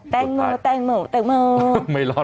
แตงโม